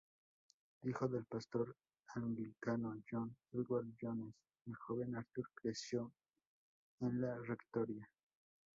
Hijo del pastor anglicano John Edward Jones, el joven Arthur creció en la rectoría.